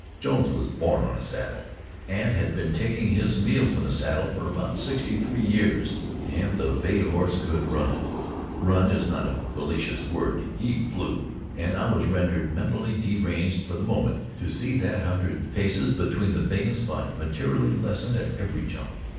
Jones was born on a saddle, and had been taking his meals in a saddle for about sixty three years, and the bay horse could run. Run is not a felicitous word he flew. And I was rendered mentally deranged for the moment to see that hundred paces between the bay and Spot materially lessen at every jump.